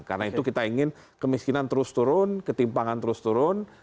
karena itu kita ingin kemiskinan terus turun ketimpangan terus turun